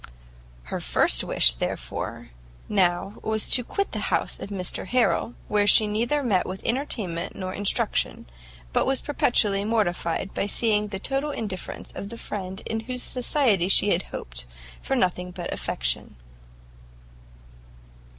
Her first wish, therefore, now, was to quit the house of Mr Harrel, where she neither met with entertainment nor instruction, but was perpetually mortified by seeing the total indifference of the friend in whose society she had hoped for nothing but affection.